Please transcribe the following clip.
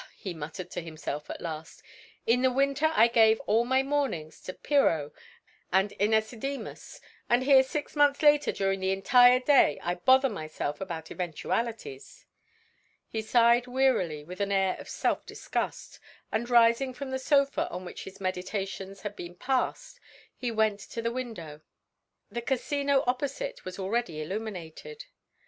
he muttered to himself at last, "in the winter I gave all my mornings to Pyrrho and Ænesidemus, and here six months later during an entire day I bother myself about eventualities." He sighed wearily with an air of self disgust, and rising from the sofa on which his meditations had been passed he went to the window. The Casino opposite was already illuminated.